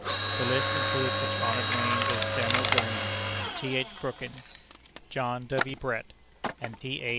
The list included such honored names as Samuel Gurney, T. H. Brooking, John W. Brett, and T. A.